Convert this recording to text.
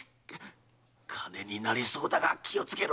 金になりそうだが気をつけろ！